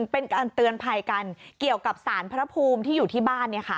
เป็นการเตือนภัยกันเกี่ยวกับสารพระภูมิที่อยู่ที่บ้าน